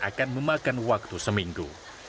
akan memakan waktu seminggu